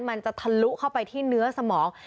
มันจะทะลุเข้าไปที่เนื้อสมอง